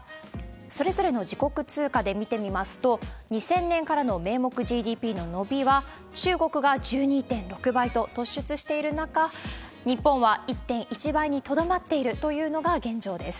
それぞれの自国通貨で見てみますと、２０００年からの名目ＧＤＰの伸びは中国が１２．６倍と突出している中、日本は１．１倍にとどまっているというのが現状です。